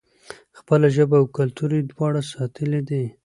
خپله ژبه او کلتور یې دواړه ساتلي دي.